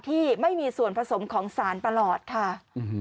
กินให้ดูเลยค่ะว่ามันปลอดภัย